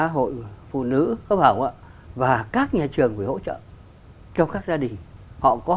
nhà trường văn hóa hội phụ nữ có bảo ạ và các nhà trường phải hỗ trợ cho các gia đình họ có